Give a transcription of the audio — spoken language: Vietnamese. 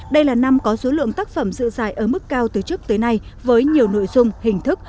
đây là năm có số lượng tác phẩm dự giải ở mức cao từ trước tới nay với nhiều nội dung hình thức